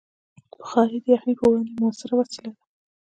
بخاري د یخنۍ پر وړاندې مؤثره وسیله ده.